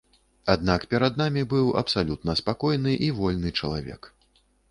Аднак перад намі быў абсалютна спакойны і вольны чалавек.